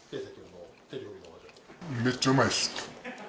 めっちゃうまいです。